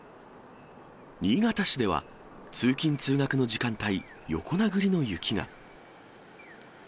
新潟市では、通勤・通学の時間帯、横殴りの雪が。